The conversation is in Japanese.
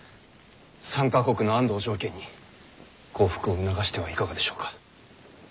３か国の安堵を条件に降伏を促してはいかがでしょうか。